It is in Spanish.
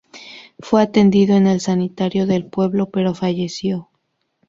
Fue atendido en el sanatorio del pueblo, pero falleció.